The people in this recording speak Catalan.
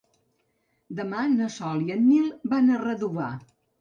Demà na Sol i en Nil van a Redovà.